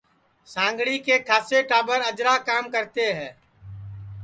سانگھڑی کے کھاسیے ٹاٻر اجرا کام کرتے ہے